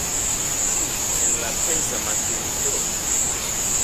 Ĉu en la peza materio?